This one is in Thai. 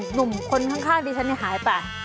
หนุ่มคนข้างดิฉันหายไป